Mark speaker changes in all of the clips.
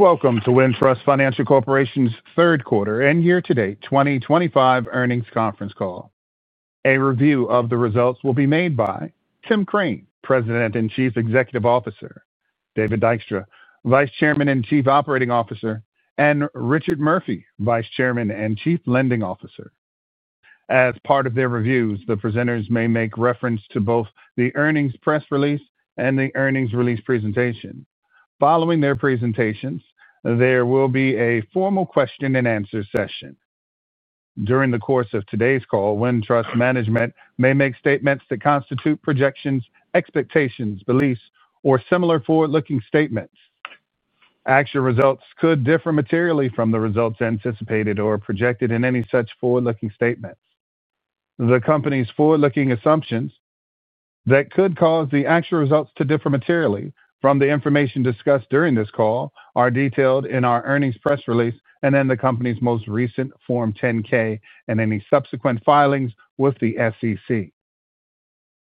Speaker 1: Welcome to Wintrust Financial Corporation's Third Quarter End-Year-to-Date 2025 Earnings Conference Call. A review of the results will be made by Tim Crane, President and Chief Executive Officer, David Dykstra, Vice Chairman and Chief Operating Officer, and Richard Murphy, Vice Chairman and Chief Lending Officer. As part of their reviews, the presenters may make reference to both the earnings press release and the earnings release presentation. Following their presentations, there will be a formal question and answer session. During the course of today's call, Wintrust Management may make statements that constitute projections, expectations, beliefs, or similar forward-looking statements. Actual results could differ materially from the results anticipated or projected in any such forward-looking statements. The company's forward-looking assumptions that could cause the actual results to differ materially from the information discussed during this call are detailed in our earnings press release and in the company's most recent Form 10-K and any subsequent filings with the SEC.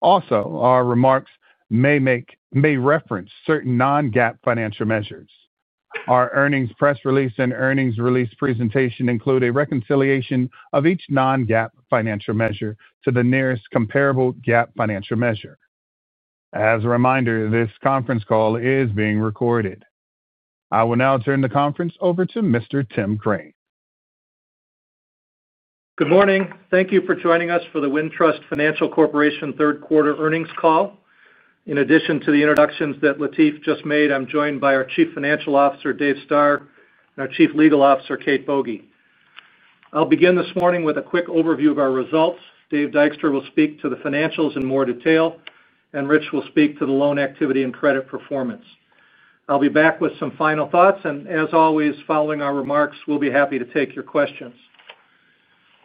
Speaker 1: Also, our remarks may reference certain non-GAAP financial measures. Our earnings press release and earnings release presentation include a reconciliation of each non-GAAP financial measure to the nearest comparable GAAP financial measure. As a reminder, this conference call is being recorded. I will now turn the conference over to Mr. Tim Crane.
Speaker 2: Good morning. Thank you for joining us for the Wintrust Financial Corporation third quarter earnings call. In addition to the introductions that Latif just made, I'm joined by our Chief Financial Officer, Dave Stoehr, and our Chief Legal Officer, Kate Boege. I'll begin this morning with a quick overview of our results. Dave Dykstra will speak to the financials in more detail, and Rich will speak to the loan activity and credit performance. I'll be back with some final thoughts, and as always, following our remarks, we'll be happy to take your questions.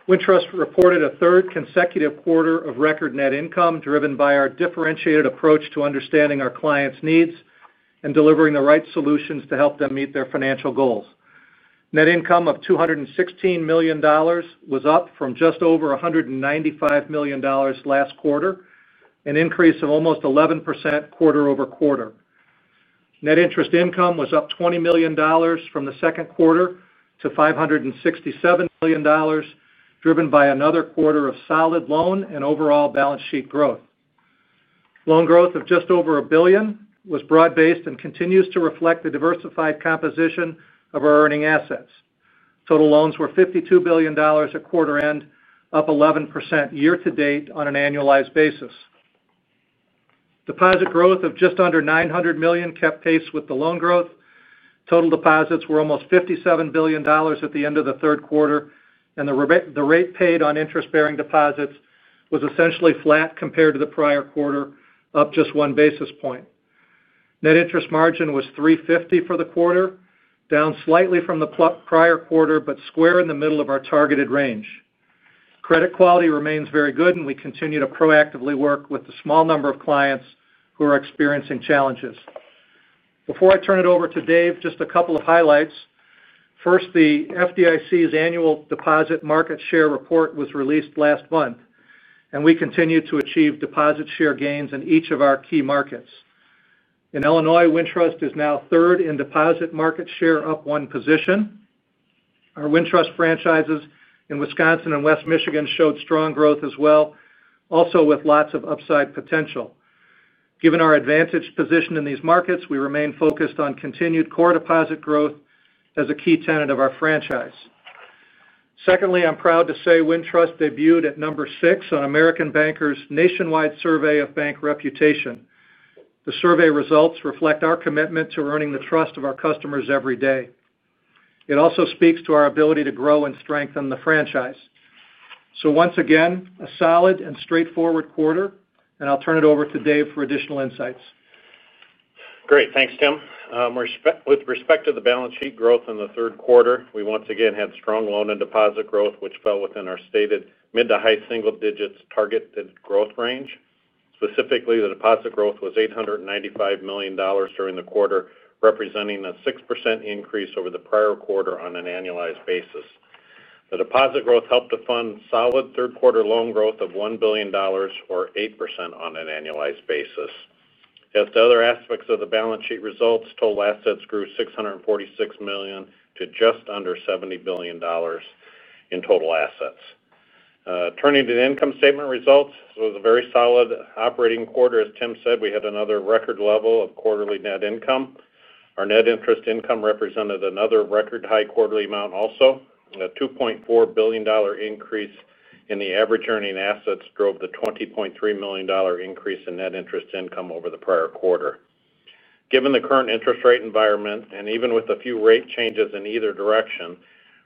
Speaker 2: Wintrust reported a third consecutive quarter of record net income, driven by our differentiated approach to understanding our clients' needs and delivering the right solutions to help them meet their financial goals. Net income of $216 million was up from just over $195 million last quarter, an increase of almost 11% quarter over quarter. Net interest income was up $20 million from the second quarter to $567 million, driven by another quarter of solid loan and overall balance sheet growth. Loan growth of just over $1 billion was broad-based and continues to reflect the diversified composition of our earning assets. Total loans were $52 billion at quarter end, up 11% year to date on an annualized basis. Deposit growth of just under $900 million kept pace with the loan growth. Total deposits were almost $57 billion at the end of the third quarter, and the rate paid on interest-bearing deposits was essentially flat compared to the prior quarter, up just one basis point. Net interest margin was 3.50% for the quarter, down slightly from the prior quarter, but square in the middle of our targeted range. Credit quality remains very good, and we continue to proactively work with the small number of clients who are experiencing challenges. Before I turn it over to Dave, just a couple of highlights. First, the FDIC's annual deposit market share report was released last month, and we continue to achieve deposit share gains in each of our key markets. In Illinois, Wintrust is now third in deposit market share, up one position. Our Wintrust franchises in Wisconsin and West Michigan showed strong growth as well, also with lots of upside potential. Given our advantage position in these markets, we remain focused on continued core deposit growth as a key tenet of our franchise. Secondly, I'm proud to say Wintrust debuted at number six on American Banker’s nationwide survey of bank reputation. The survey results reflect our commitment to earning the trust of our customers every day. It also speaks to our ability to grow and strengthen the franchise. Once again, a solid and straightforward quarter, and I'll turn it over to Dave for additional insights.
Speaker 3: Great. Thanks, Tim. With respect to the balance sheet growth in the third quarter, we once again had strong loan and deposit growth, which fell within our stated mid to high single-digits targeted growth range. Specifically, the deposit growth was $895 million during the quarter, representing a 6% increase over the prior quarter on an annualized basis. The deposit growth helped to fund solid third-quarter loan growth of $1 billion, or 8% on an annualized basis. As to other aspects of the balance sheet results, total assets grew $646 million to just under $70 billion in total assets. Turning to the income statement results, it was a very solid operating quarter. As Tim said, we had another record level of quarterly net income. Our net interest income represented another record high quarterly amount also. A $2.4 billion increase in the average earning assets drove the $20.3 million increase in net interest income over the prior quarter. Given the current interest rate environment, and even with a few rate changes in either direction,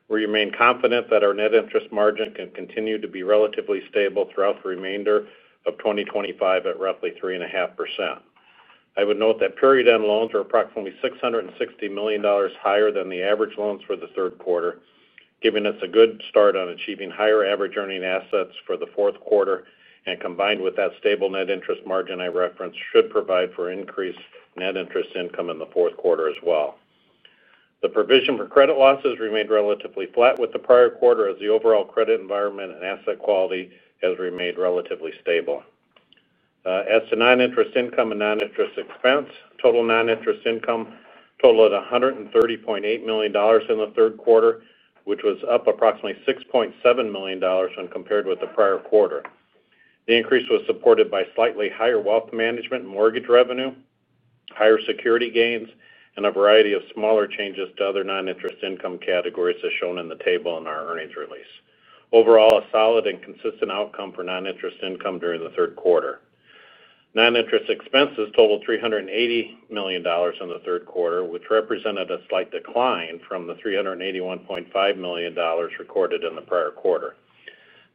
Speaker 3: we remain confident that our net interest margin can continue to be relatively stable throughout the remainder of 2025 at roughly 3.5%. I would note that period-end loans were approximately $660 million higher than the average loans for the third quarter, giving us a good start on achieving higher average earning assets for the fourth quarter, and combined with that stable net interest margin I referenced, should provide for increased net interest income in the fourth quarter as well. The provision for credit losses remained relatively flat with the prior quarter, as the overall credit environment and asset quality has remained relatively stable. As to non-interest income and non-interest expense, total non-interest income totaled $130.8 million in the third quarter, which was up approximately $6.7 million when compared with the prior quarter. The increase was supported by slightly higher wealth management and mortgage revenue, higher security gains, and a variety of smaller changes to other non-interest income categories, as shown in the table in our earnings release. Overall, a solid and consistent outcome for non-interest income during the third quarter. Non-interest expenses totaled $380 million in the third quarter, which represented a slight decline from the $381.5 million recorded in the prior quarter.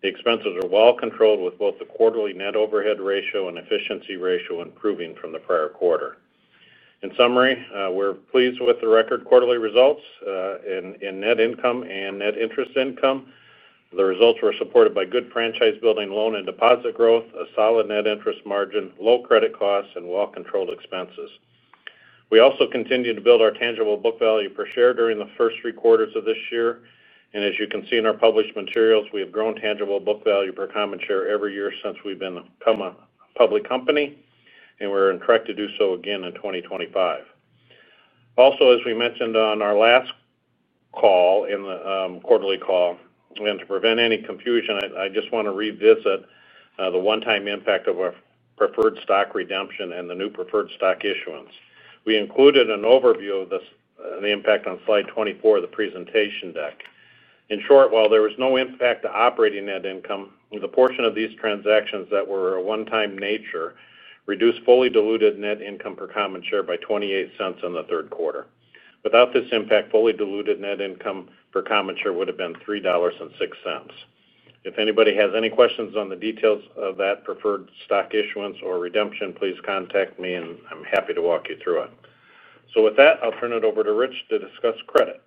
Speaker 3: The expenses are well controlled, with both the quarterly net overhead ratio and efficiency ratio improving from the prior quarter. In summary, we're pleased with the record quarterly results in net income and net interest income. The results were supported by good franchise-building loan and deposit growth, a solid net interest margin, low credit costs, and well-controlled expenses. We also continued to build our tangible book value per share during the first three quarters of this year, and as you can see in our published materials, we have grown tangible book value per common share every year since we've become a public company, and we're on track to do so again in 2025. Also, as we mentioned on our last call and to prevent any confusion, I just want to revisit the one-time impact of our preferred stock redemption and the new preferred stock issuance. We included an overview of the impact on slide 24 of the presentation deck. In short, while there was no impact to operating net income, the portion of these transactions that were one-time nature reduced fully diluted net income per common share by $0.28 in the third quarter. Without this impact, fully diluted net income per common share would have been $3.06. If anybody has any questions on the details of that preferred stock issuance or redemption, please contact me, and I'm happy to walk you through it. With that, I'll turn it over to Rich to discuss credit.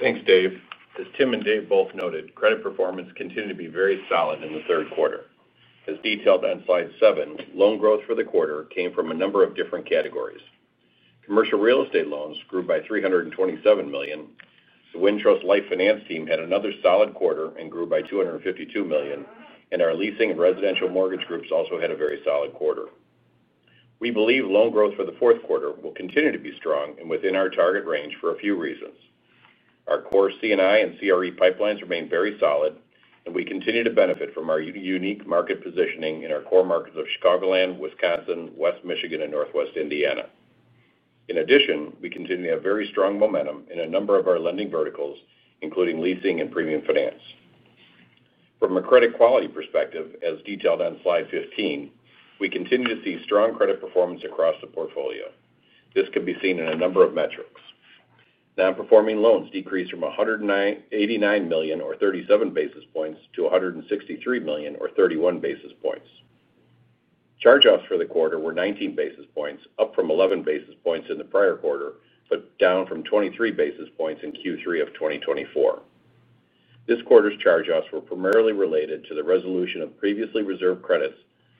Speaker 4: Thanks, Dave. As Tim and Dave both noted, credit performance continued to be very solid in the third quarter. As detailed on slide seven, loan growth for the quarter came from a number of different categories. Commercial real estate loans grew by $327 million. The Wintrust Life Finance team had another solid quarter and grew by $252 million, and our leasing and residential mortgage groups also had a very solid quarter. We believe loan growth for the fourth quarter will continue to be strong and within our target range for a few reasons. Our core C&I and CRE pipelines remain very solid, and we continue to benefit from our unique market positioning in our core markets of Chicagoland, Wisconsin, West Michigan, and Northwest Indiana. In addition, we continue to have very strong momentum in a number of our lending verticals, including leasing and premium finance. From a credit quality perspective, as detailed on slide 15, we continue to see strong credit performance across the portfolio. This can be seen in a number of metrics. Non-performing loans decreased from $189 million, or 37 bps, to $163 million, or 31 bps. Charge-offs for the quarter were 19 bps, up from 11 bps in the prior quarter, but down from 23 bps in Q3 of 2024. This quarter's charge-offs were primarily related to the resolution of previously reserved credits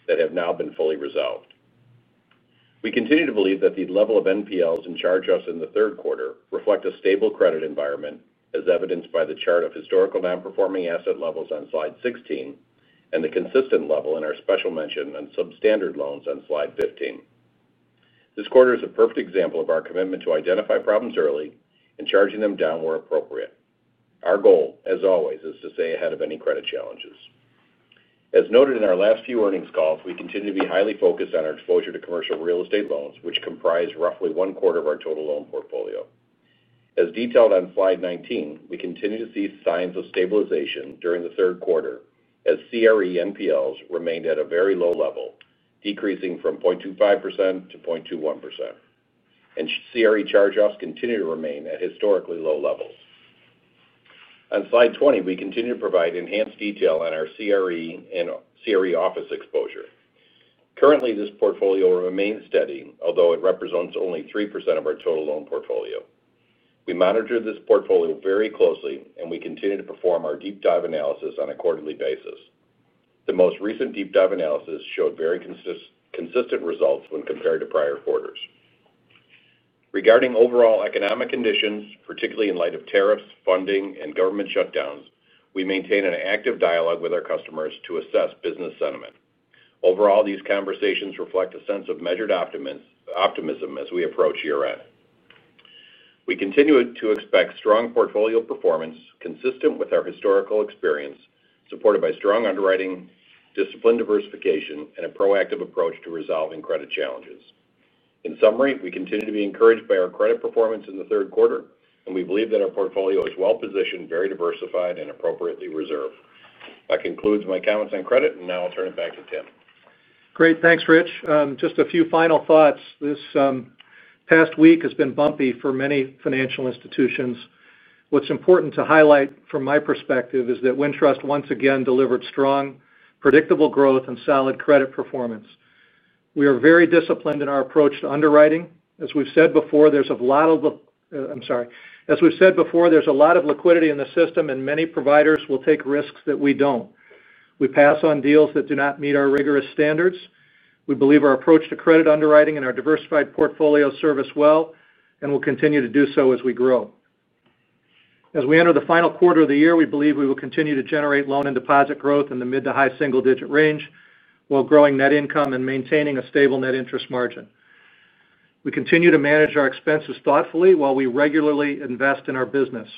Speaker 4: that have now been fully resolved. We continue to believe that the level of NPLs and charge-offs in the third quarter reflect a stable credit environment, as evidenced by the chart of historical non-performing asset levels on slide 16 and the consistent level in our special mention and substandard loans on slide 15. This quarter is a perfect example of our commitment to identify problems early and charging them down where appropriate. Our goal, as always, is to stay ahead of any credit challenges. As noted in our last few earnings calls, we continue to be highly focused on our exposure to commercial real estate loans, which comprise roughly one quarter of our total loan portfolio. As detailed on slide 19, we continue to see signs of stabilization during the third quarter, as CRE NPLs remained at a very low level, decreasing from 0.25%-0.21%, and CRE charge-offs continue to remain at historically low levels. On slide 20, we continue to provide enhanced detail on our CRE and CRE office exposure. Currently, this portfolio remains steady, although it represents only 3% of our total loan portfolio. We monitor this portfolio very closely, and we continue to perform our deep-dive analysis on a quarterly basis. The most recent deep-dive analysis showed very consistent results when compared to prior quarters. Regarding overall economic conditions, particularly in light of tariffs, funding, and government shutdowns, we maintain an active dialogue with our customers to assess business sentiment. Overall, these conversations reflect a sense of measured optimism as we approach year-end. We continue to expect strong portfolio performance consistent with our historical experience, supported by strong underwriting, discipline, diversification, and a proactive approach to resolving credit challenges. In summary, we continue to be encouraged by our credit performance in the third quarter, and we believe that our portfolio is well positioned, very diversified, and appropriately reserved. That concludes my comments on credit, and now I'll turn it back to Tim.
Speaker 2: Great. Thanks, Rich. Just a few final thoughts. This past week has been bumpy for many financial institutions. What's important to highlight from my perspective is that Wintrust once again delivered strong, predictable growth and solid credit performance. We are very disciplined in our approach to underwriting. As we've said before, there's a lot of liquidity in the system, and many providers will take risks that we don't. We pass on deals that do not meet our rigorous standards. We believe our approach to credit underwriting and our diversified loan portfolio serve us well, and we'll continue to do so as we grow. As we enter the final quarter of the year, we believe we will continue to generate loan and deposit growth in the mid to high single-digit range while growing net income and maintaining a stable net interest margin. We continue to manage our expenses thoughtfully while we regularly invest in our business.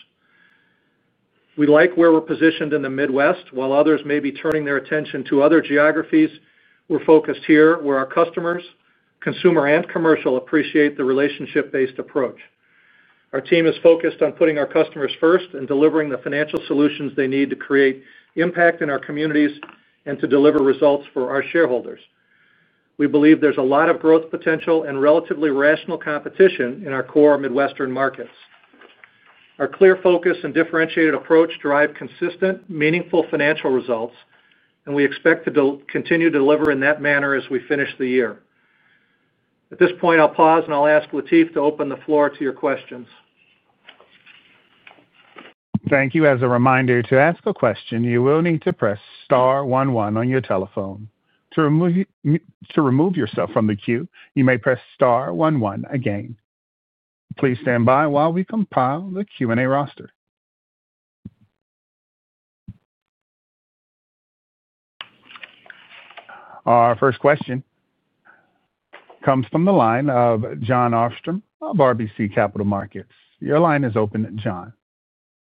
Speaker 2: We like where we're positioned in the Midwest. While others may be turning their attention to other geographies, we're focused here where our customers, consumer, and commercial appreciate the relationship-based approach. Our team is focused on putting our customers first and delivering the financial solutions they need to create impact in our communities and to deliver results for our shareholders. We believe there's a lot of growth potential and relatively rational competition in our core Midwestern markets. Our clear focus and differentiated approach drive consistent, meaningful financial results, and we expect to continue to deliver in that manner as we finish the year. At this point, I'll pause and I'll ask Latif to open the floor to your questions.
Speaker 1: Thank you. As a reminder, to ask a question, you will need to press *11 on your telephone. To remove yourself from the queue, you may press *11 again. Please stand by while we compile the Q&A roster. Our first question comes from the line of Jon Arfstrom of RBC Capital Markets. Your line is open, Jon.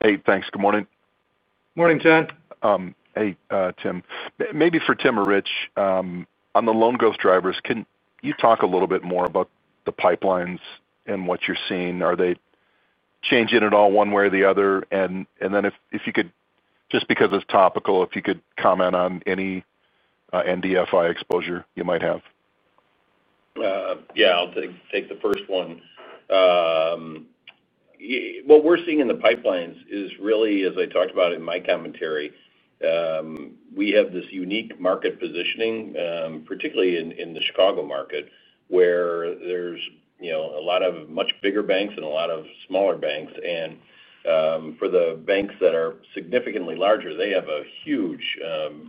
Speaker 5: Hey, thanks. Good morning.
Speaker 3: Morning, John.
Speaker 5: Hey, Tim. Maybe for Tim or Rich, on the loan growth drivers, can you talk a little bit more about the pipelines and what you're seeing? Are they changing at all one way or the other? If you could, just because it's topical, if you could comment on any NDFI exposure you might have.
Speaker 4: Yeah, I'll take the first one. What we're seeing in the pipelines is really, as I talked about in my commentary, we have this unique market positioning, particularly in the Chicago market where there's a lot of much bigger banks and a lot of smaller banks. For the banks that are significantly larger, they have a huge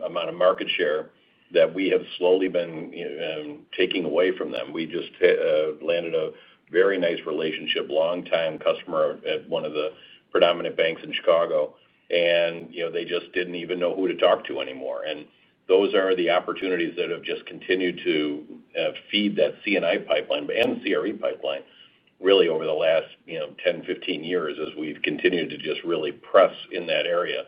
Speaker 4: amount of market share that we have slowly been taking away from them. We just landed a very nice relationship, long-time customer at one of the predominant banks in Chicago, and they just didn't even know who to talk to anymore. Those are the opportunities that have just continued to feed that C&I pipeline and CRE pipeline really over the last 10, 15 years as we've continued to just really press in that area.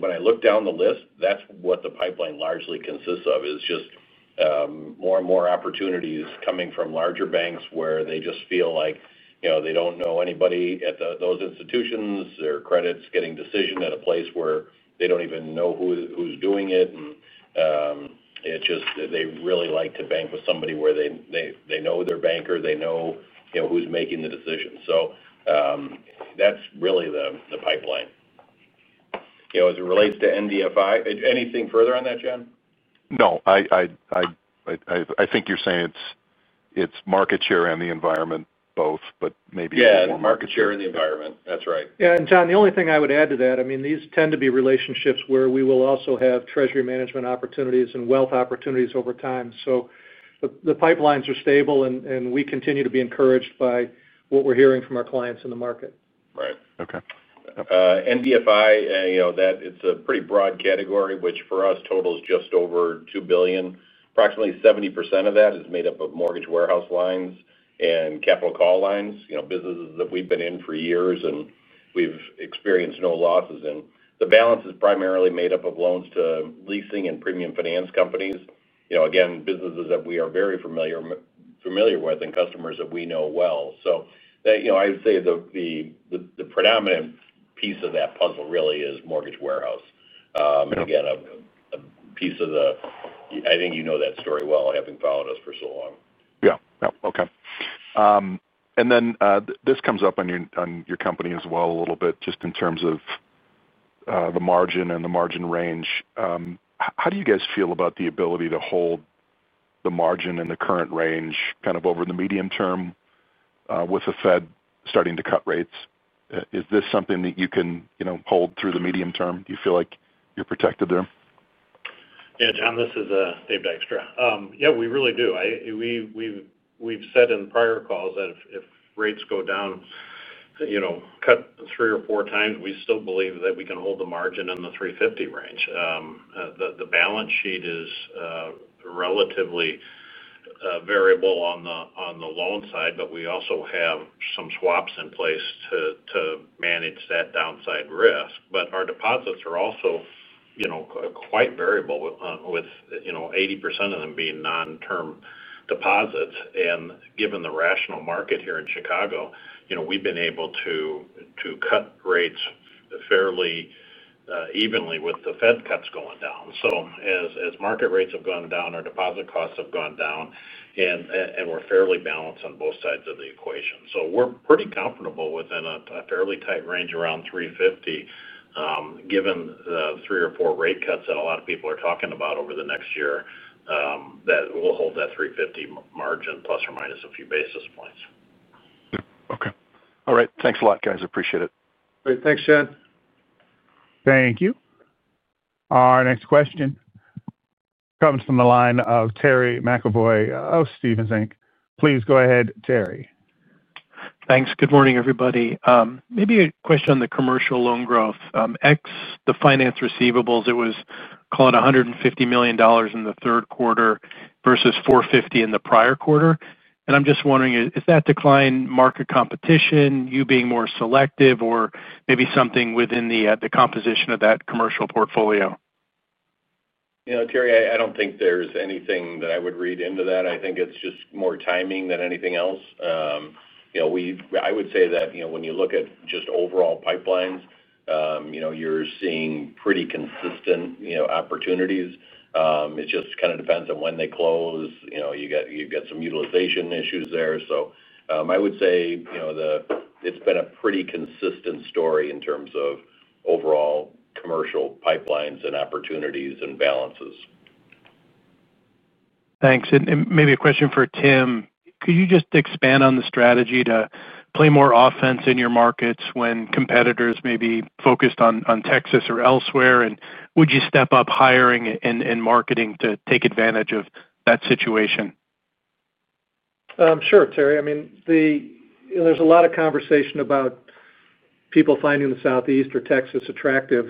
Speaker 4: When I look down the list, that's what the pipeline largely consists of, just more and more opportunities coming from larger banks where they just feel like they don't know anybody at those institutions. Their credit's getting decisioned at a place where they don't even know who's doing it. They really like to bank with somebody where they know their banker, they know who's making the decision. That's really the pipeline. As it relates to NDFI, anything further on that, John?
Speaker 5: No, I think you're saying it's market share and the environment both, but maybe more.
Speaker 4: Yeah, market share and the environment. That's right.
Speaker 2: Yeah, John, the only thing I would add to that, I mean, these tend to be relationships where we will also have treasury management opportunities and wealth opportunities over time. The pipelines are stable, and we continue to be encouraged by what we're hearing from our clients in the market.
Speaker 5: Right. Okay.
Speaker 4: NDFI, you know, that it's a pretty broad category, which for us totals just over $2 billion. Approximately 70% of that is made up of mortgage warehouse lines and capital call lines, businesses that we've been in for years and we've experienced no losses. The balance is primarily made up of loans to leasing and premium finance companies, businesses that we are very familiar with and customers that we know well. I would say the predominant piece of that puzzle really is mortgage warehouse. I think you know that story well, having followed us for so long.
Speaker 5: Okay. This comes up on your company as well a little bit, just in terms of the margin and the margin range. How do you guys feel about the ability to hold the margin in the current range over the medium term with the Fed starting to cut rates? Is this something that you can hold through the medium term? Do you feel like you're protected there?
Speaker 3: Yeah, John, this is David Dykstra. Yeah, we really do. We've said in prior calls that if rates go down, you know, cut three or four times, we still believe that we can hold the margin in the $350 range. The balance sheet is relatively variable on the loan side, but we also have some swaps in place to manage that downside risk. Our deposits are also, you know, quite variable with, you know, 80% of them being non-term deposits. Given the rational market here in Chicago, we've been able to cut rates fairly evenly with the Fed cuts going down. As market rates have gone down, our deposit costs have gone down, and we're fairly balanced on both sides of the equation. We're pretty comfortable within a fairly tight range around $350, given the three or four rate cuts that a lot of people are talking about over the next year that we'll hold that $350 margin plus or minus a few basis points.
Speaker 5: Yeah, okay. All right. Thanks a lot, guys. Appreciate it.
Speaker 2: Great. Thanks, Jon.
Speaker 1: Thank you. Our next question comes from the line of Terry McEvoy, Stephens Inc. Please go ahead, Terry.
Speaker 6: Thanks. Good morning, everybody. Maybe a question on the commercial loan growth. Excluding the premium finance receivables, it was about $150 million in the third quarter versus $450 million in the prior quarter. I'm just wondering, is that decline market competition, you being more selective, or maybe something within the composition of that commercial portfolio?
Speaker 3: I don't think there's anything that I would read into that. I think it's just more timing than anything else. I would say that when you look at just overall pipelines, you're seeing pretty consistent opportunities. It just kind of depends on when they close. You've got some utilization issues there. I would say it's been a pretty consistent story in terms of overall commercial pipelines and opportunities and balances.
Speaker 6: Thanks. Maybe a question for Tim. Could you just expand on the strategy to play more offense in your markets when competitors may be focused on Texas or elsewhere? Would you step up hiring and marketing to take advantage of that situation?
Speaker 2: Sure, Terry. There is a lot of conversation about people finding the Southeast or Texas attractive.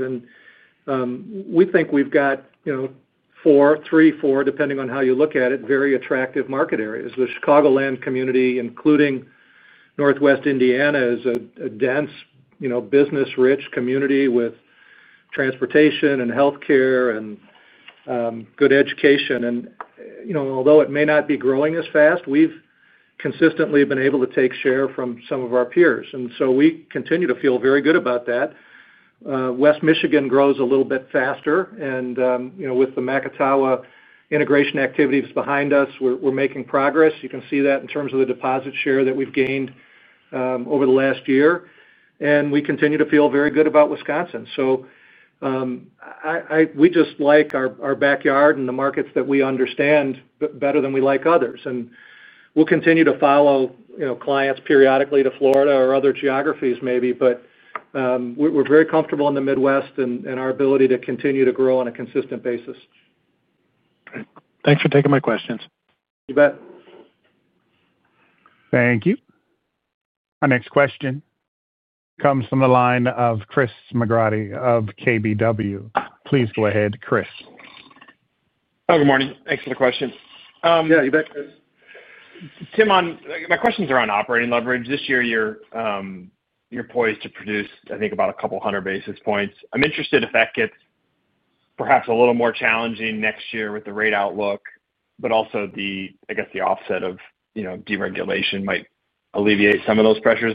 Speaker 2: We think we've got, you know, three, four, depending on how you look at it, very attractive market areas. The Chicagoland community, including Northwest Indiana, is a dense, business-rich community with transportation and healthcare and good education. Although it may not be growing as fast, we've consistently been able to take share from some of our peers. We continue to feel very good about that. West Michigan grows a little bit faster. With the McElhoway integration activities behind us, we're making progress. You can see that in terms of the deposit share that we've gained over the last year. We continue to feel very good about Wisconsin. We just like our backyard and the markets that we understand better than we like others. We'll continue to follow clients periodically to Florida or other geographies maybe. We're very comfortable in the Midwest and our ability to continue to grow on a consistent basis.
Speaker 6: Thanks for taking my questions.
Speaker 2: You bet.
Speaker 1: Thank you. Our next question comes from the line of Christopher McGratty of KBW. Please go ahead, Chris.
Speaker 7: Good morning. Thanks for the question.
Speaker 3: Yeah, you bet, Chris.
Speaker 7: Tim, my questions are on operating leverage. This year you're poised to produce, I think, about a couple hundred basis points. I'm interested if that gets perhaps a little more challenging next year with the rate outlook, also the, I guess, the offset of deregulation might alleviate some of those pressures.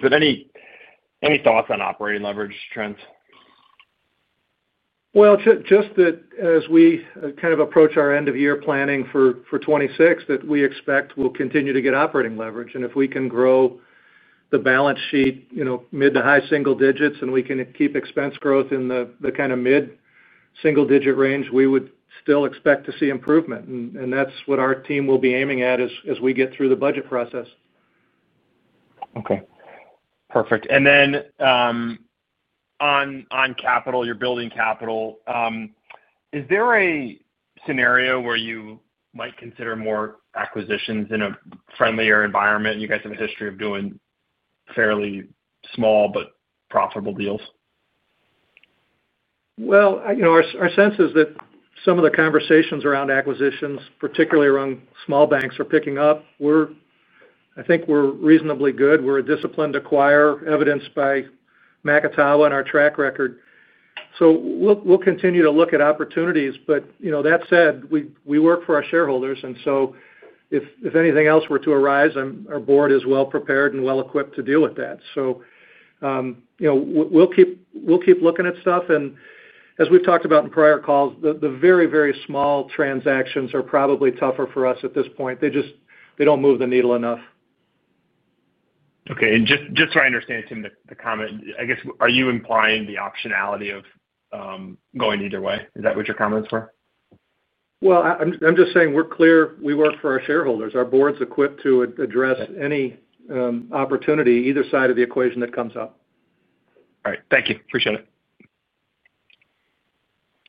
Speaker 7: Any thoughts on operating leverage trends?
Speaker 2: As we kind of approach our end-of-year planning for 2026, we expect we'll continue to get operating leverage. If we can grow the balance sheet mid to high single digits, and we can keep expense growth in the kind of mid-single-digit range, we would still expect to see improvement. That's what our team will be aiming at as we get through the budget process.
Speaker 7: Okay. Perfect. On capital, you're building capital. Is there a scenario where you might consider more acquisitions in a friendlier environment? You guys have a history of doing fairly small but profitable deals.
Speaker 2: Our sense is that some of the conversations around acquisitions, particularly around small banks, are picking up. I think we're reasonably good. We're a disciplined acquirer, evidenced by our track record. We'll continue to look at opportunities. That said, we work for our shareholders. If anything else were to arise, our board is well prepared and well equipped to deal with that. We'll keep looking at stuff. As we've talked about in prior calls, the very, very small transactions are probably tougher for us at this point. They just don't move the needle enough.
Speaker 7: Okay. Just so I understand, Tim, the comment, I guess, are you implying the optionality of going either way? Is that what your comments were?
Speaker 2: We are clear. We work for our shareholders. Our board is equipped to address any opportunity, either side of the equation that comes up.
Speaker 7: All right. Thank you. Appreciate it.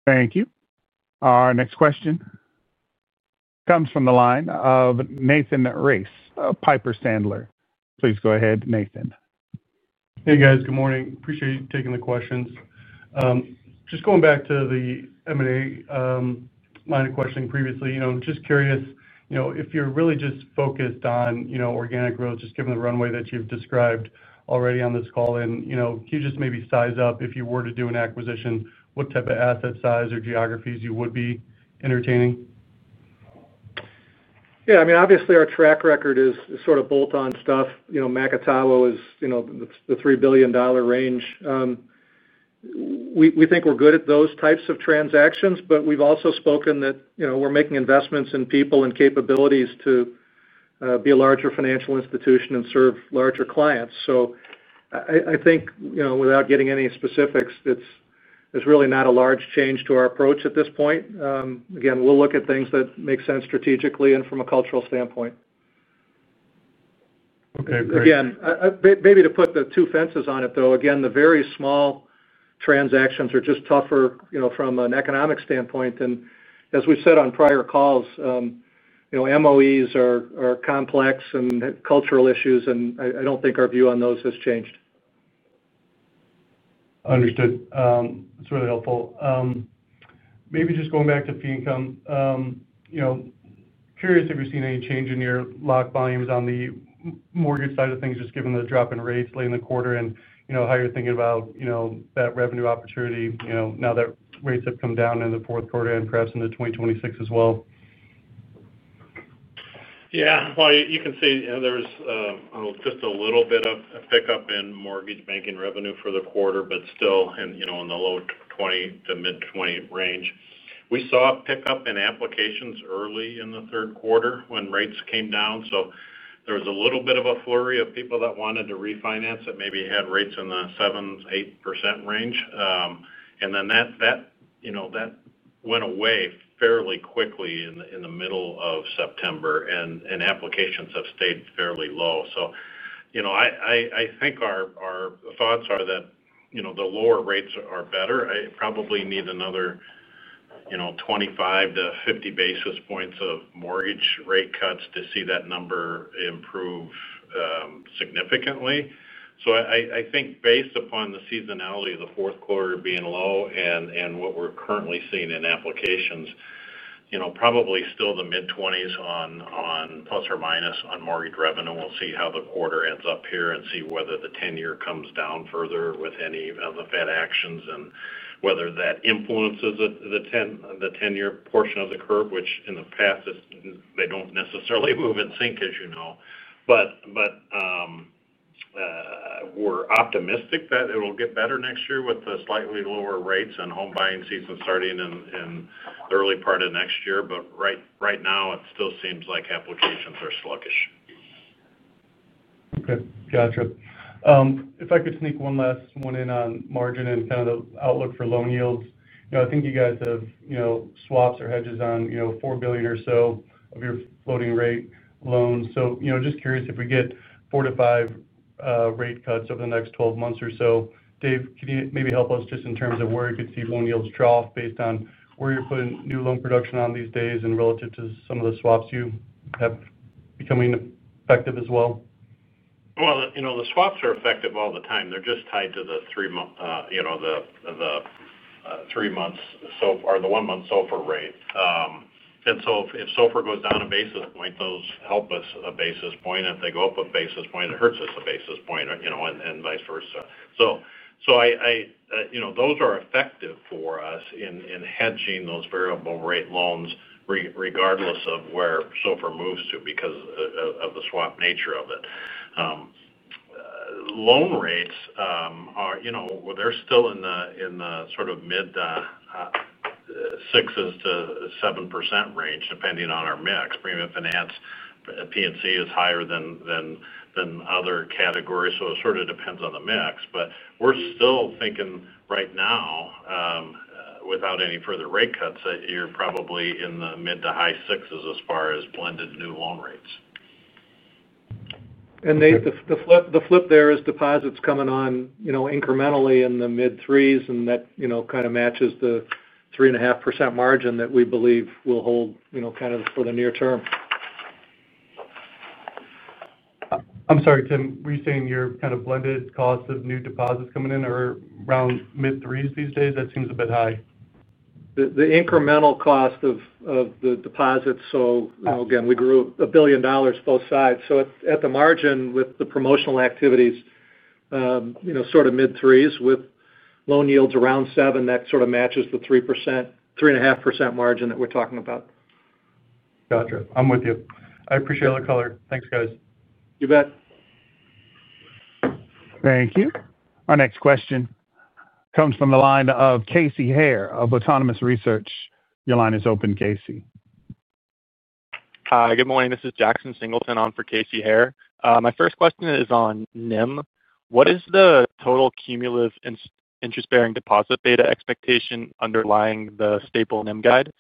Speaker 1: Thank you. Our next question comes from the line of Nathan Race, Piper Sandler. Please go ahead, Nathan.
Speaker 8: Hey, guys. Good morning. Appreciate you taking the questions. Just going back to the M&A line of questioning previously, just curious if you're really just focused on organic growth, given the runway that you've described already on this call, and can you maybe size up if you were to do an acquisition, what type of asset size or geographies you would be entertaining?
Speaker 2: Yeah, I mean, obviously, our track record is sort of bolt-on stuff. You know, McElhoway is, you know, the $3 billion range. We think we're good at those types of transactions, but we've also spoken that we're making investments in people and capabilities to be a larger financial institution and serve larger clients. I think, without getting any specifics, it's really not a large change to our approach at this point. Again, we'll look at things that make sense strategically and from a cultural standpoint.
Speaker 8: Okay, great.
Speaker 2: Maybe to put the two fences on it, though, the very small transactions are just tougher from an economic standpoint. As we've said on prior calls, MOEs are complex and cultural issues, and I don't think our view on those has changed.
Speaker 8: Understood. That's really helpful. Maybe just going back to fee income, curious if you've seen any change in your lock volumes on the mortgage side of things, just given the drop in rates late in the quarter, and how you're thinking about that revenue opportunity now that rates have come down in the fourth quarter and perhaps in 2026 as well.
Speaker 3: You can see there's just a little bit of a pickup in mortgage banking revenue for the quarter, but still in the low 20 to mid-20 range. We saw a pickup in applications early in the third quarter when rates came down. There was a little bit of a flurry of people that wanted to refinance that maybe had rates in the 7%, 8% range. That went away fairly quickly in the middle of September, and applications have stayed fairly low. I think our thoughts are that the lower rates are better. I probably need another 25-50 basis points of mortgage rate cuts to see that number improve significantly. Based upon the seasonality of the fourth quarter being low and what we're currently seeing in applications, probably still the mid-20s on plus or minus on mortgage revenue. We'll see how the quarter ends up here and see whether the 10-year comes down further with any of the Fed actions and whether that influences the 10-year portion of the curve, which in the past, they don't necessarily move in sync, as you know. We're optimistic that it'll get better next year with the slightly lower rates and home buying season starting in the early part of next year. Right now, it still seems like applications are sluggish.
Speaker 8: Okay. Gotcha. If I could sneak one last one in on margin and kind of the outlook for loan yields, I think you guys have swaps or hedges on $4 billion or so of your floating rate loans. I'm just curious if we get four to five rate cuts over the next 12 months or so. Dave, can you maybe help us just in terms of where you could see loan yields drop based on where you're putting new loan production on these days and relative to some of the swaps you have becoming effective as well?
Speaker 3: The swaps are effective all the time. They're just tied to the three-month SOFR or the one-month SOFR rate. If SOFR goes down a basis point, those help us a basis point. If they go up a basis point, it hurts us a basis point, and vice versa. Those are effective for us in hedging those variable-rate loans regardless of where SOFR moves to because of the swap nature of it. Loan rates, they're still in the sort of mid 6%-7% range, depending on our mix. Premium finance, P&C is higher than other categories. It sort of depends on the mix. We're still thinking right now, without any further rate cuts, that you're probably in the mid to high 6% as far as blended new loan rates.
Speaker 2: The flip there is deposits coming on, you know, incrementally in the mid-3%s, and that, you know, kind of matches the 3.5% margin that we believe will hold, you know, kind of for the near term.
Speaker 8: I'm sorry, Tim. Were you saying your kind of blended cost of new deposits coming in are around mid-3s these days? That seems a bit high.
Speaker 2: The incremental cost of the deposits, you know, again, we grew $1 billion both sides. At the margin with the promotional activities, you know, sort of mid-threes with loan yields around 7%, that sort of matches the 3%, 3.5% margin that we're talking about.
Speaker 8: Gotcha. I'm with you. I appreciate all the color. Thanks, guys.
Speaker 2: You bet.
Speaker 1: Thank you. Our next question comes from the line of Casey Hare of Autonomous Research. Your line is open, Casey.
Speaker 9: Hi, good morning. This is Jackson Singleton on for Casey Hare. My first question is on NIM. What is the total cumulative interest-bearing deposit beta expectation underlying the staple NIM guide?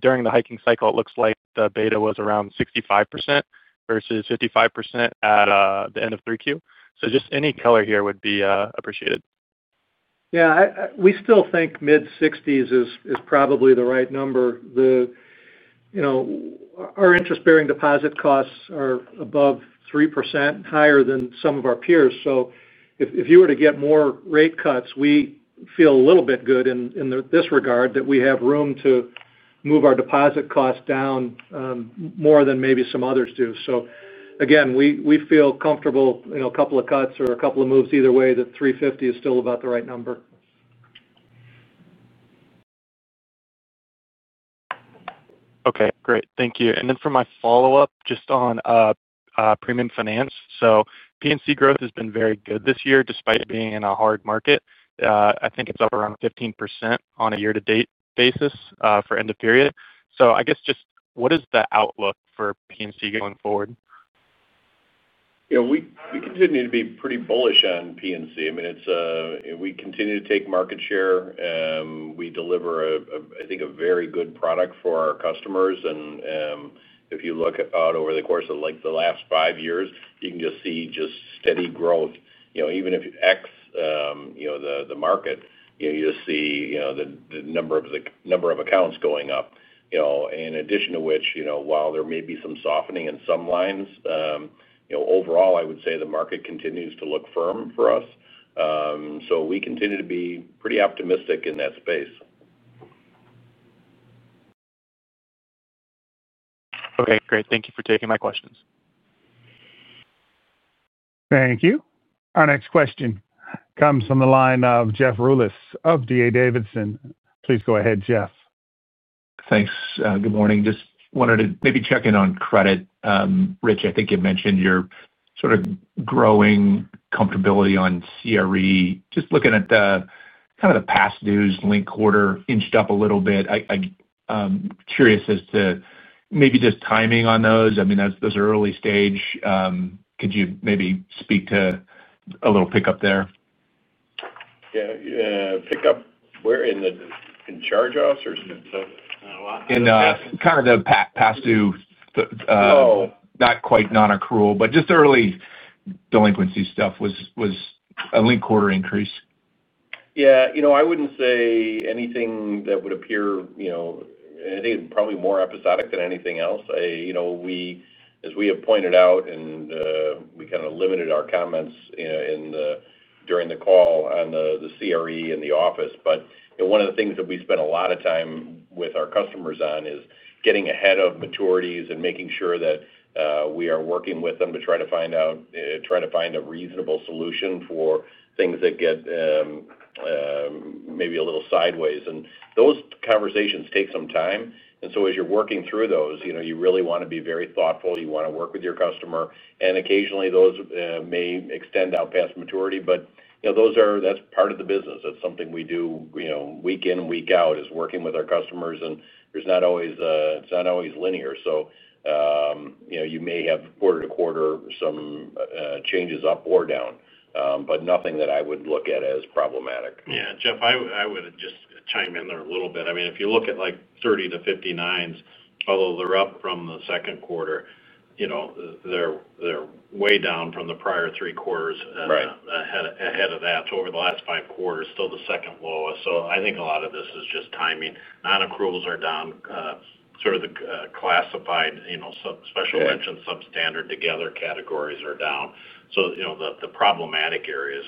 Speaker 9: During the hiking cycle, it looks like the beta was around 65% versus 55% at the end of 3Q. Just any color here would be appreciated.
Speaker 2: Yeah, we still think mid-60s is probably the right number. Our interest-bearing deposit costs are above 3%, higher than some of our peers. If you were to get more rate cuts, we feel a little bit good in this regard that we have room to move our deposit costs down more than maybe some others do. We feel comfortable, a couple of cuts or a couple of moves either way, that $350 is still about the right number.
Speaker 9: Okay, great. Thank you. For my follow-up just on premium finance, P&C growth has been very good this year despite being in a hard market. I think it's up around 15% on a year-to-date basis for end-of-period. I guess just what is the outlook for P&C going forward?
Speaker 4: Yeah, we continue to be pretty bullish on P&C. We continue to take market share. We deliver, I think, a very good product for our customers. If you look out over the course of the last five years, you can just see steady growth. Even if you X the market, you just see the number of accounts going up. In addition to which, while there may be some softening in some lines, overall, I would say the market continues to look firm for us. We continue to be pretty optimistic in that space.
Speaker 9: Okay, great. Thank you for taking my questions.
Speaker 1: Thank you. Our next question comes from the line of Jeffrey Rulis of D.A. Davidson. Please go ahead, Jeff.
Speaker 10: Thanks. Good morning. Just wanted to maybe check in on credit. Richard, I think you mentioned your sort of growing comfortability on commercial real estate. Just looking at the kind of the past dues, late quarter inched up a little bit. I'm curious as to maybe just timing on those. I mean, those are early stage. Could you maybe speak to a little pickup there?
Speaker 4: Yeah, pickup, we're in the charge-offs, or?
Speaker 10: In kind of the past due, not quite non-accrual, but just early delinquency stuff, was a late quarter increase.
Speaker 4: Yeah, I wouldn't say anything that would appear, I think it's probably more episodic than anything else. As we have pointed out, we kind of limited our comments during the call on the commercial real estate and the office. One of the things that we spent a lot of time with our customers on is getting ahead of maturities and making sure that we are working with them to try to find a reasonable solution for things that get maybe a little sideways. Those conversations take some time. As you're working through those, you really want to be very thoughtful. You want to work with your customer. Occasionally, those may extend out past maturity, but that's part of the business. That's something we do week in and week out, working with our customers. It's not always linear. You may have quarter to quarter some changes up or down, but nothing that I would look at as problematic.
Speaker 3: Yeah, Jeff, I would just chime in there a little bit. I mean, if you look at like 30 to 59s, although they're up from the second quarter, they're way down from the prior three quarters ahead of that. Over the last five quarters, still the second lowest. I think a lot of this is just timing. Non-accruals are down. The classified, special mention, substandard together categories are down. The problematic areas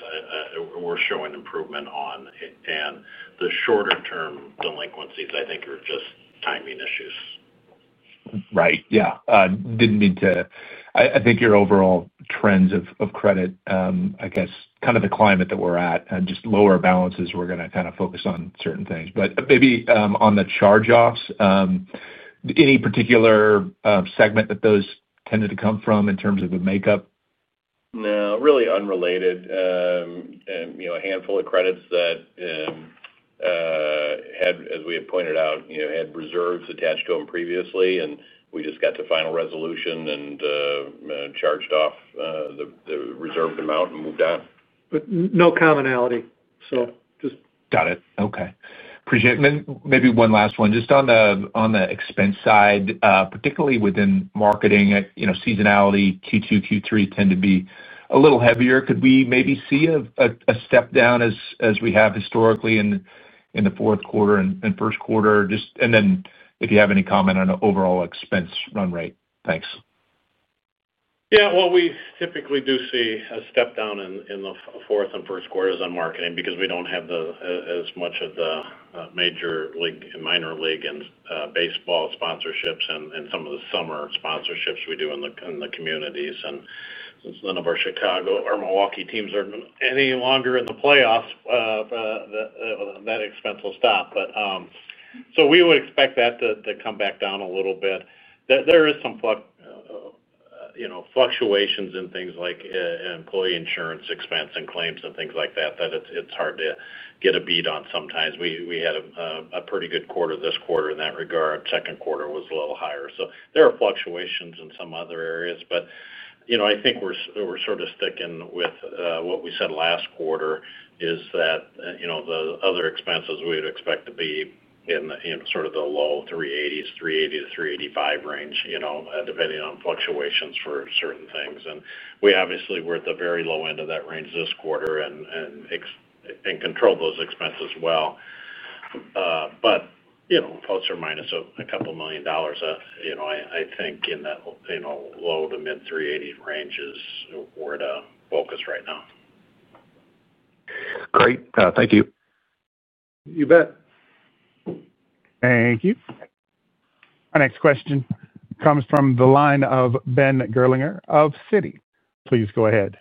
Speaker 3: we're showing improvement on. The shorter-term delinquencies, I think, are just timing issues.
Speaker 10: Right. Yeah. Didn't mean to, I think your overall trends of credit, I guess, kind of the climate that we're at, just lower balances, we're going to focus on certain things. Maybe on the charge-offs, any particular segment that those tended to come from in terms of the makeup?
Speaker 4: No, really unrelated. You know, a handful of credits that had, as we had pointed out, had reserves attached to them previously, and we just got to final resolution and charged off the reserved amount and moved on.
Speaker 2: There's no commonality, just.
Speaker 10: Got it. Okay. Appreciate it. Maybe one last one. Just on the expense side, particularly within marketing, you know, seasonality, Q2, Q3 tend to be a little heavier. Could we maybe see a step down as we have historically in the fourth quarter and first quarter? If you have any comment on the overall expense run rate, thanks.
Speaker 3: Yeah, we typically do see a step down in the fourth and first quarters on marketing because we don't have as much of the major league and minor league and baseball sponsorships and some of the summer sponsorships we do in the communities. None of our Chicago or Milwaukee teams are any longer in the playoffs. That expense will stop. We would expect that to come back down a little bit. There are some fluctuations in things like employee insurance expense and claims and things like that that it's hard to get a beat on sometimes. We had a pretty good quarter this quarter in that regard. Second quarter was a little higher. There are fluctuations in some other areas. I think we're sort of sticking with what we said last quarter, that the other expenses we would expect to be in the low $380 million, $380 million-$385 million range, depending on fluctuations for certain things. We obviously were at the very low end of that range this quarter and controlled those expenses well. Plus or minus a couple million dollars, I think in that low to mid $380 million ranges is where to focus right now.
Speaker 10: Great, thank you.
Speaker 2: You bet.
Speaker 1: Thank you. Our next question comes from the line of Benjamin Gerlinger of Citigroup. Please go ahead.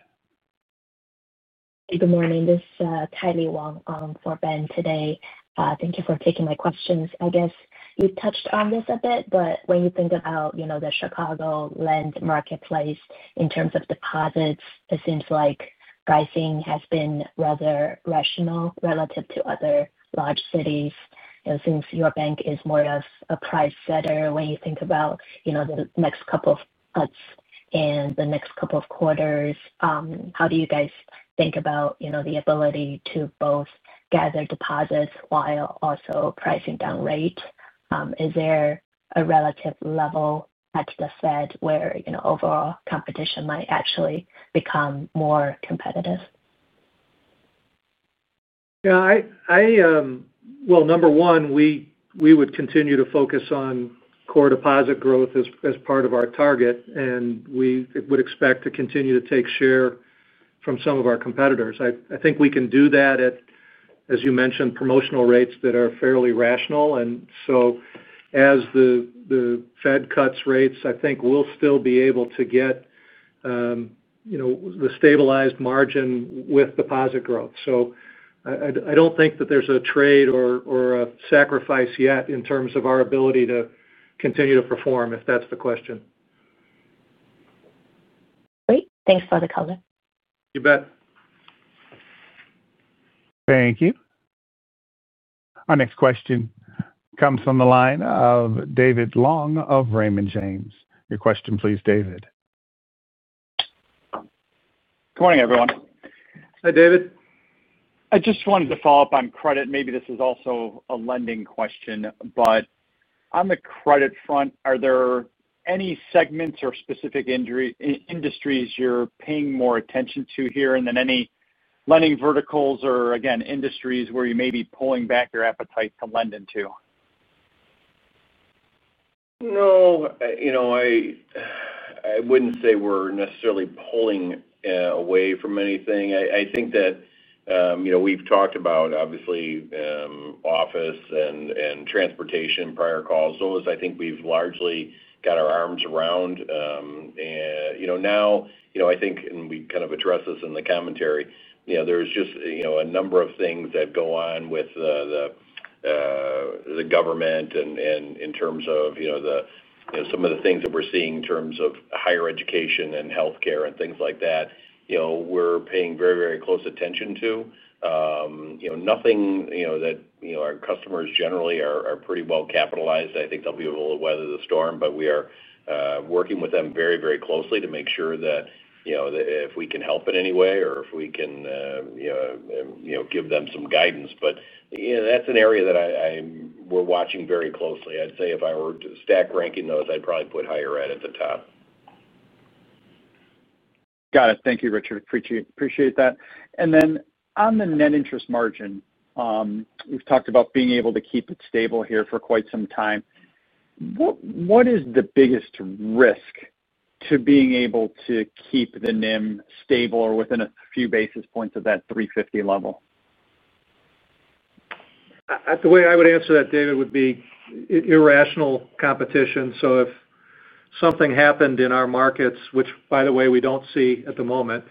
Speaker 11: Good morning. This is Kylie Wong for Ben today. Thank you for taking my questions. I guess you touched on this a bit, but when you think about the Chicagoland marketplace in terms of deposits, it seems like pricing has been rather rational relative to other large cities. Since your bank is more of a price setter, when you think about the next couple of months and the next couple of quarters, how do you guys think about the ability to both gather deposits while also pricing down rate? Is there a relative level at the Fed where overall competition might actually become more competitive?
Speaker 2: Number one, we would continue to focus on core deposit growth as part of our target. We would expect to continue to take share from some of our competitors. I think we can do that at, as you mentioned, promotional rates that are fairly rational. As the Fed cuts rates, I think we'll still be able to get, you know, the stabilized margin with deposit growth. I don't think that there's a trade or a sacrifice yet in terms of our ability to continue to perform, if that's the question.
Speaker 11: Great. Thanks for the color.
Speaker 2: You bet.
Speaker 1: Thank you. Our next question comes from the line of David Long of Raymond James. Your question, please, David.
Speaker 12: Good morning, everyone.
Speaker 2: Hi, David.
Speaker 12: I just wanted to follow up on credit. Maybe this is also a lending question. On the credit front, are there any segments or specific industries you're paying more attention to here? Any lending verticals or, again, industries where you may be pulling back your appetite to lend into?
Speaker 4: No, I wouldn't say we're necessarily pulling away from anything. I think that we've talked about, obviously, office and transportation on prior calls. Those, I think we've largely got our arms around. Now, I think, and we kind of addressed this in the commentary, there's just a number of things that go on with the government and in terms of some of the things that we're seeing in terms of higher education and healthcare and things like that, we're paying very, very close attention to. Nothing that our customers generally are pretty well capitalized. I think they'll be able to weather the storm, but we are working with them very, very closely to make sure that if we can help in any way or if we can give them some guidance. That's an area that we're watching very closely. I'd say if I were stack ranking those, I'd probably put higher ed at the top.
Speaker 12: Got it. Thank you, Richard. Appreciate that. On the net interest margin, we've talked about being able to keep it stable here for quite some time. What is the biggest risk to being able to keep the NIM stable or within a few basis points of that $350 level?
Speaker 2: The way I would answer that, David, would be irrational competition. If something happened in our markets, which by the way, we don't see at the moment,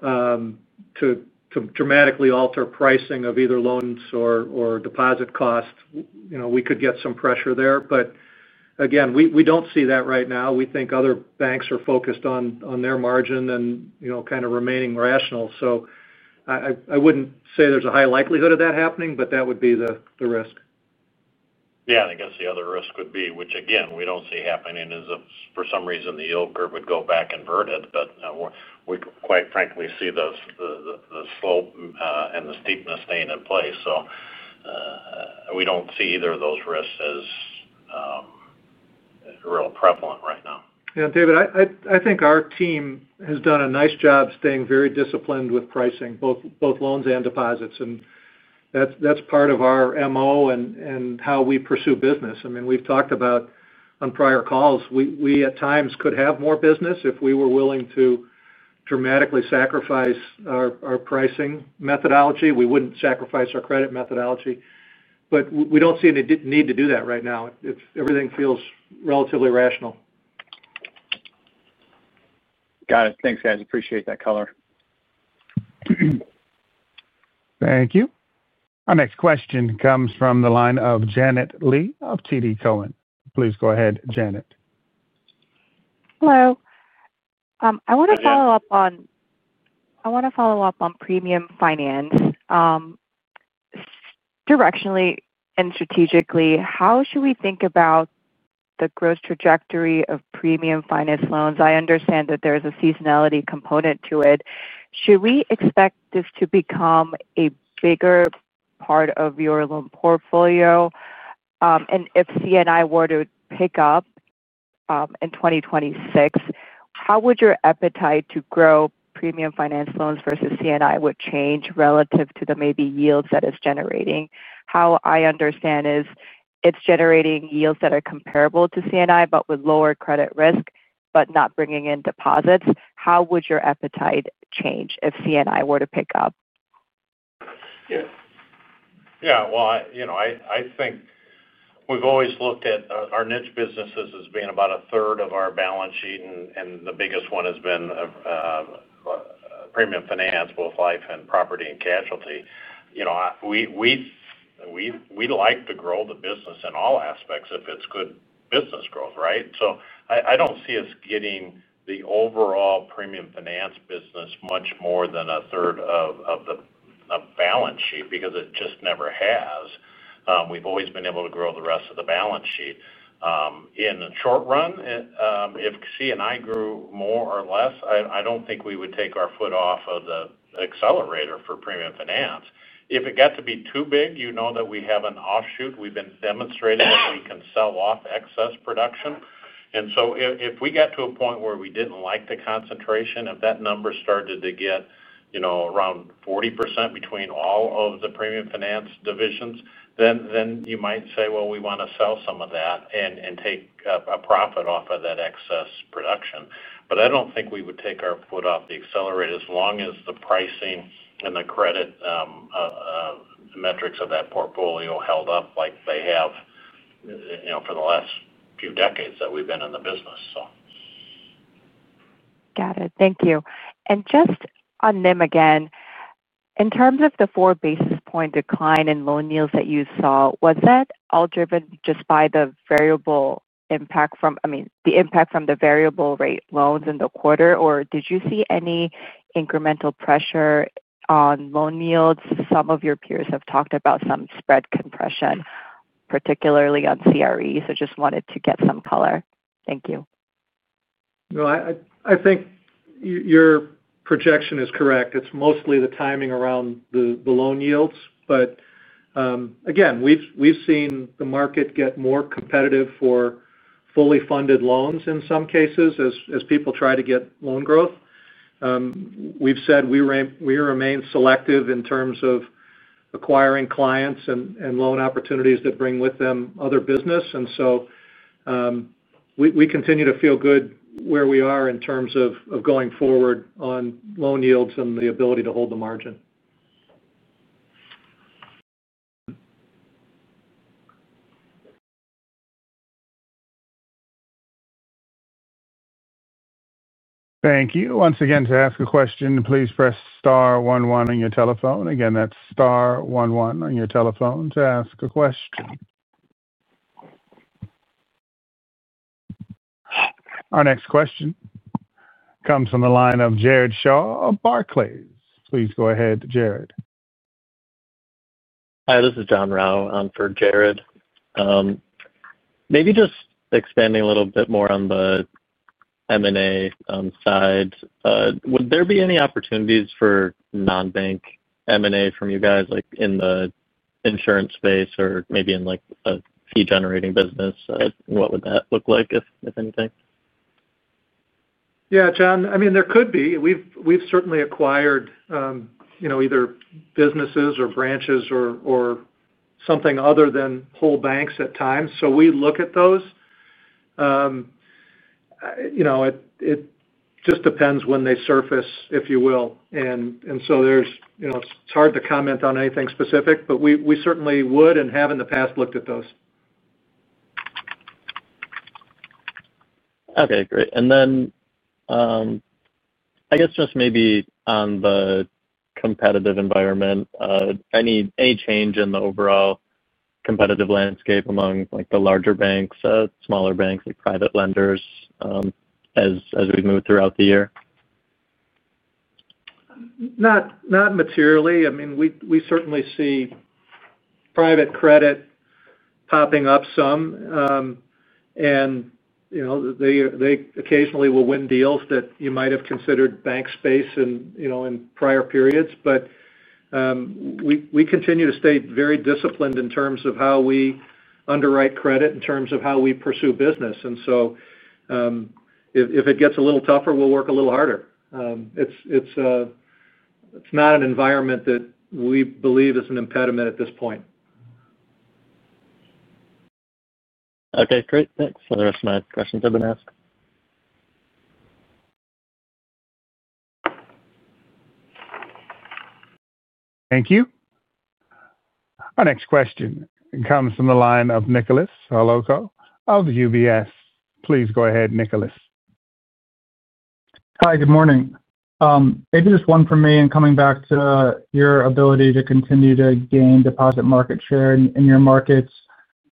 Speaker 2: to dramatically alter pricing of either loans or deposit costs, we could get some pressure there. Again, we don't see that right now. We think other banks are focused on their margin and kind of remaining rational. I wouldn't say there's a high likelihood of that happening, but that would be the risk.
Speaker 3: Yeah, I think the other risk would be, which again, we don't see happening, is if for some reason the yield curve would go back inverted. We quite frankly see the slope and the steepness staying in place, so we don't see either of those risks as real prevalent right now.
Speaker 2: Yeah, David, I think our team has done a nice job staying very disciplined with pricing, both loans and deposits. That is part of our MO and how we pursue business. I mean, we've talked about on prior calls, we at times could have more business if we were willing to dramatically sacrifice our pricing methodology. We wouldn't sacrifice our credit methodology. We don't see any need to do that right now. Everything feels relatively rational.
Speaker 12: Got it. Thanks, guys. Appreciate that color.
Speaker 1: Thank you. Our next question comes from the line of Jared Shaw of Wells Fargo. Please go ahead, Jared.
Speaker 13: Hello. I want to follow up on premium finance. Directionally and strategically, how should we think about the growth trajectory of premium finance loans? I understand that there's a seasonality component to it. Should we expect this to become a bigger part of your loan portfolio? If C&I were to pick up in 2026, how would your appetite to grow premium finance loans versus C&I change relative to the maybe yields that it's generating? How I understand is it's generating yields that are comparable to C&I, but with lower credit risk, but not bringing in deposits. How would your appetite change if C&I were to pick up?
Speaker 3: Yeah. Yeah, you know, I think we've always looked at our niche businesses as being about a third of our balance sheet, and the biggest one has been premium finance, both life and property and casualty. You know, we like to grow the business in all aspects if it's good business growth, right? I don't see us getting the overall premium finance business much more than a third of the balance sheet because it just never has. We've always been able to grow the rest of the balance sheet. In the short run, if C&I grew more or less, I don't think we would take our foot off of the accelerator for premium finance. If it got to be too big, you know that we have an offshoot. We've been demonstrating that we can sell off excess production. If we got to a point where we didn't like the concentration, if that number started to get around 40% between all of the premium finance divisions, then you might say, well, we want to sell some of that and take a profit off of that excess production. I don't think we would take our foot off the accelerator as long as the pricing and the credit metrics of that portfolio held up like they have for the last few decades that we've been in the business.
Speaker 13: Thank you. Just on NIM again, in terms of the four basis point decline in loan yields that you saw, was that all driven just by the variable impact from, I mean, the impact from the variable rate loans in the quarter, or did you see any incremental pressure on loan yields? Some of your peers have talked about some spread compression, particularly on commercial real estate, so just wanted to get some color. Thank you.
Speaker 2: No, I think your projection is correct. It's mostly the timing around the loan yields. We've seen the market get more competitive for fully funded loans in some cases as people try to get loan growth. We've said we remain selective in terms of acquiring clients and loan opportunities that bring with them other business. We continue to feel good where we are in terms of going forward on loan yields and the ability to hold the margin.
Speaker 1: Thank you. Once again, to ask a question, please press star 11 on your telephone. Again, that's star 11 on your telephone to ask a question. Our next question comes from the line of Jared Shaw of Barclays. Please go ahead, Jared.
Speaker 14: Hi, this is John Rao on for Jared. Maybe just expanding a little bit more on the M&A side, would there be any opportunities for non-bank M&A from you guys, like in the insurance space or maybe in like a fee-generating business? What would that look like, if anything?
Speaker 2: Yeah, Jon, I mean, there could be. We've certainly acquired, you know, either businesses or branches or something other than whole banks at times. We look at those. It just depends when they surface, if you will. It's hard to comment on anything specific, but we certainly would and have in the past looked at those.
Speaker 14: Okay, great. I guess just maybe on the competitive environment, any change in the overall competitive landscape among the larger banks, smaller banks, like private lenders as we've moved throughout the year?
Speaker 2: Not materially. I mean, we certainly see private credit popping up some. You know, they occasionally will win deals that you might have considered bank space in prior periods. We continue to stay very disciplined in terms of how we underwrite credit, in terms of how we pursue business. If it gets a little tougher, we'll work a little harder. It's not an environment that we believe is an impediment at this point. Okay, great. Thanks for the rest of my questions being asked.
Speaker 1: Thank you. Our next question comes from the line of Nicholas Holowko of UBS. Please go ahead, Nicholas.
Speaker 15: Hi, good morning. Maybe just one for me, and coming back to your ability to continue to gain deposit market share in your markets.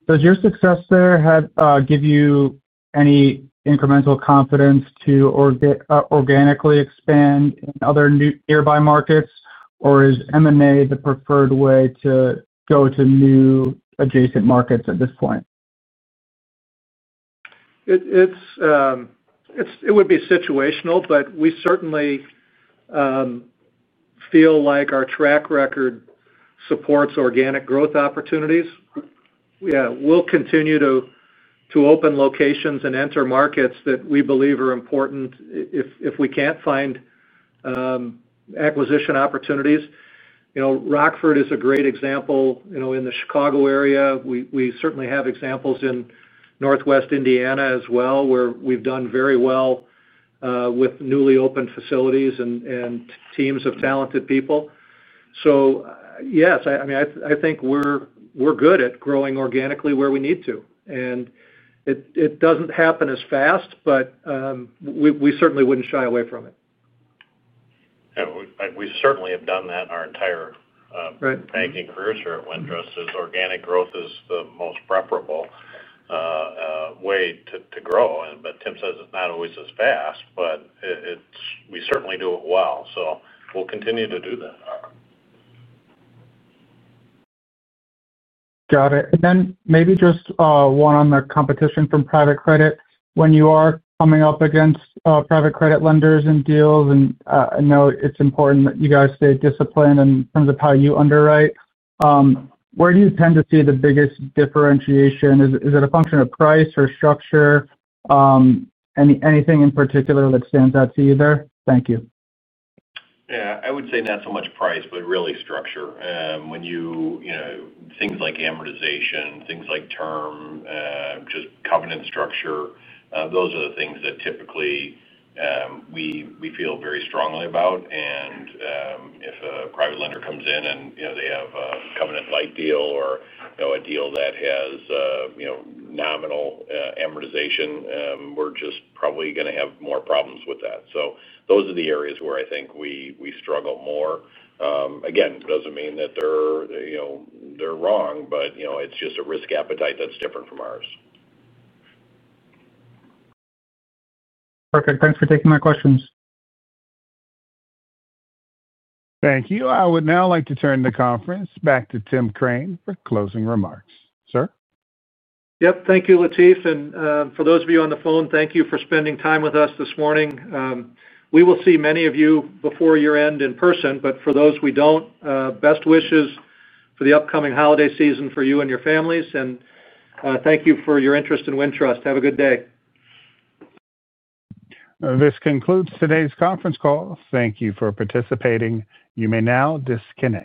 Speaker 15: Does your success there give you any incremental confidence to organically expand in other nearby markets, or is M&A the preferred way to go to new adjacent markets at this point?
Speaker 2: It would be situational, but we certainly feel like our track record supports organic growth opportunities. We will continue to open locations and enter markets that we believe are important if we can't find acquisition opportunities. Rockford is a great example, you know, in the Chicago area. We certainly have examples in Northwest Indiana as well, where we've done very well with newly opened facilities and teams of talented people. Yes, I mean, I think we're good at growing organically where we need to. It doesn't happen as fast, but we certainly wouldn't shy away from it.
Speaker 3: Yeah, we certainly have done that in our entire banking career. Organic growth is the most preferable way to grow. Tim says it's not always as fast, but we certainly do it well. We'll continue to do that.
Speaker 15: Got it. Maybe just one on the competition from private credit. When you are coming up against private credit lenders in deals, and I know it's important that you guys stay disciplined in terms of how you underwrite, where do you tend to see the biggest differentiation? Is it a function of price or structure? Anything in particular that stands out to you there? Thank you.
Speaker 4: Yeah, I would say not so much price, but really structure. When you, you know, things like amortization, things like term, just covenant structure, those are the things that typically we feel very strongly about. If a private lender comes in and, you know, they have a covenant-like deal or a deal that has, you know, nominal amortization, we're just probably going to have more problems with that. Those are the areas where I think we struggle more. Again, it doesn't mean that they're, you know, they're wrong, but, you know, it's just a risk appetite that's different from ours.
Speaker 15: Perfect. Thanks for taking my questions.
Speaker 1: Thank you. I would now like to turn the conference back to Tim Crane for closing remarks, sir.
Speaker 2: Thank you, Latif. For those of you on the phone, thank you for spending time with us this morning. We will see many of you before year-end in person. For those we don't, best wishes for the upcoming holiday season for you and your families. Thank you for your interest in Wintrust. Have a good day.
Speaker 1: This concludes today's conference call. Thank you for participating. You may now disconnect.